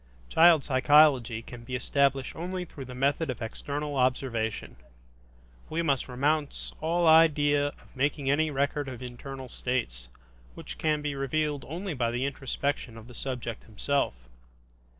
Child psychology can be established only through the method of external observation. We must renounce all idea of making any record of internal states, which can be revealed only by the introspection of the subject himself.